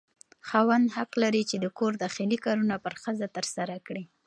خاوند حق لري چې د کور داخلي کارونه پر ښځه ترسره کړي.